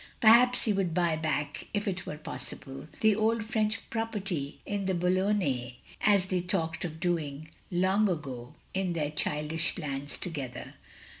Perhaps he would buy back, if it were possible, the old French property in the Botilonnais, as they had talked of doing, long ago, in their childish plans together.